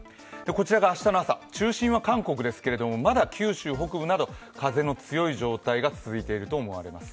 こちらが明日の朝、中心が韓国ですけれどもまだ九州北部など風の強い状態が続いていると思われます。